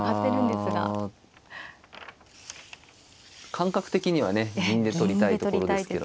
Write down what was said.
感覚的にはね銀で取りたいところですけどね。